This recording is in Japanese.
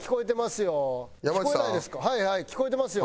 はいはい聞こえてますよ。